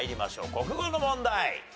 国語の問題。